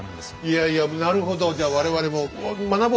いやいやなるほどじゃあ我々も学ぼう！